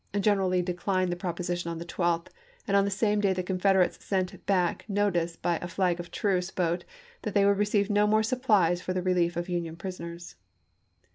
General Lee declined the proposition on the 12th, and on the same day the Confederates sent back notice by a flag of truce boat that they would receive no more supplies for the relief of Union prisoners.